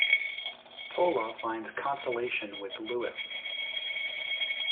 Pola finds consolation with Louis.